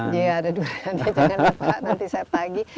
iya ada duriannya jangan lupa nanti saya tagi